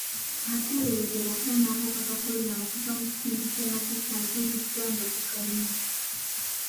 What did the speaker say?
Ateeberezebwa okuba n'akawuka ka kolona okuva e mu kitundu ky'e Masaka azuuliddwa nga takayina.